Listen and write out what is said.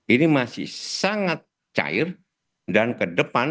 ini masih sangat cair dan kedepannya